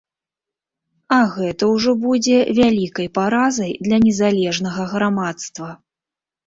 А гэта ўжо будзе вялікай паразай для незалежнага грамадства.